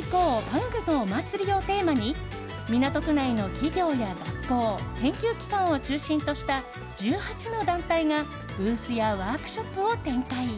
科学のお祭りをテーマに港区内の企業や学校研究機関を中心とした１８の団体がブースやワークショップを展開。